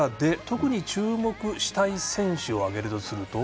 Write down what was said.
その中で、特に注目したい選手を挙げるとすると。